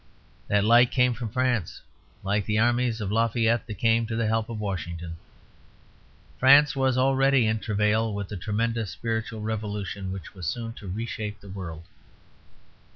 That light came from France, like the armies of Lafayette that came to the help of Washington. France was already in travail with the tremendous spiritual revolution which was soon to reshape the world.